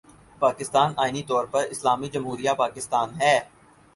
پاکستان آئینی طور پر 'اسلامی جمہوریہ پاکستان‘ ہے۔